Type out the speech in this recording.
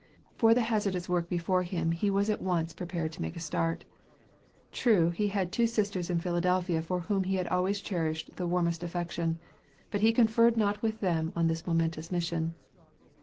For the hazardous work before him he was at once prepared to make a start. True he had two sisters in Philadelphia for whom he had always cherished the warmest affection, but he conferred not with them on this momentous mission.